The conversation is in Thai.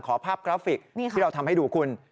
ภาพกราฟิกที่เราทำให้ดูคุณ